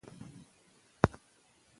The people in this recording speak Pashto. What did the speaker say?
احمده راسه چې سره لاړ سو